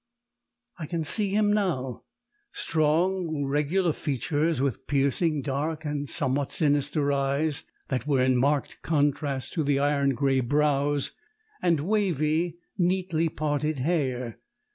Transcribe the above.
I can see him now strong, regular features with piercing dark and somewhat sinister eyes that were in marked contrast to the iron grey brows and wavy, neatly parted hair.